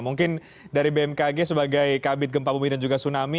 mungkin dari bmkg sebagai kabit gempa bumi dan juga tsunami